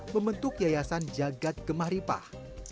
membentuk yayasan jagad gemah ripah